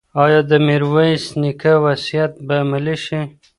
ایا د میرویس نیکه وصیت به عملي شي؟